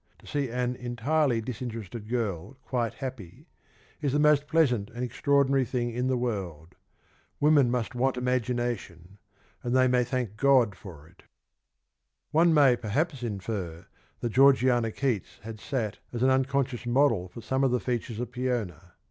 To see an entirely disinterested girl quite happy is the most pleasant and extraordinary thing in the world. ... Women must want imagination, and they may thank God for it."^ One may perhaps infer that Georgiana Keats had sat as an unconscious model for some of the features of Peona.